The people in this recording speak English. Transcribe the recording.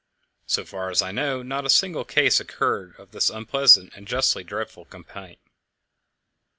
So far as I know, not a single case occurred of this unpleasant and justly dreaded complaint.